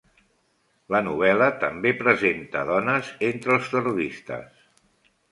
La novel·la també presenta dones entre els terroristes.